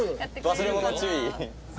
忘れ物注意。